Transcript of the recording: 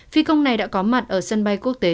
phi công này đã có mặt ở sân bay quốc tế